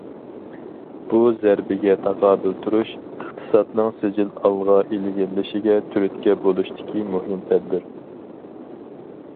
بۇ، زەربىگە تاقابىل تۇرۇش، ئىقتىسادنىڭ سىجىل ئالغا ئىلگىرىلىشىگە تۈرتكە بولۇشتىكى مۇھىم تەدبىر.